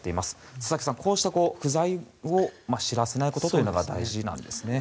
佐々木さん、こうした不在を知らせないということが大事なんですね。